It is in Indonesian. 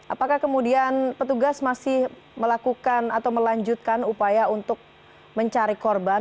apakah kemudian petugas masih melakukan atau melanjutkan upaya untuk mencari korban